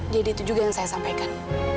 jadi itu juga yang saya sampaikan